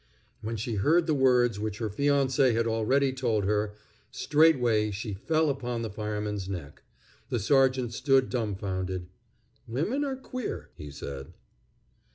When she heard the words which her fiancé had already told her, straightway she fell upon the fireman's neck. The sergeant stood dumfounded. "Women are queer," he said.